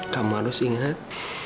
kamu harus ingat